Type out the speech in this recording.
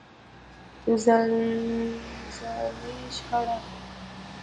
ځانځاني شخړه.